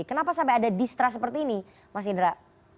kenapa sampai ada distrust seperti ini mas indra